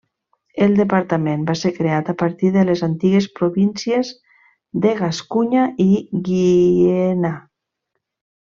El departament va ser creat a partir de les antigues províncies de Gascunya i Guiena.